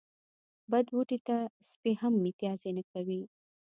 بد بوټي ته سپي هم متازې نه کوی.